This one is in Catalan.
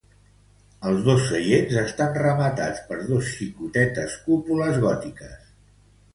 Els dos seients estan rematats per dos xicotetes cúpules gòtiques.